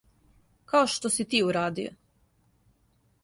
Као што си ти урадио.